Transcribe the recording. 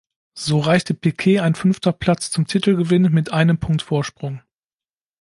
So reichte Piquet ein fünfter Platz zum Titelgewinn mit einem Punkt Vorsprung.